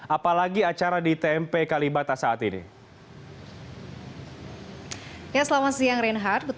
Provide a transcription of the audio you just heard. apalagi acara di tmp kalibata